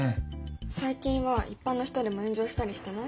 最近は一般の人でも炎上したりしてない？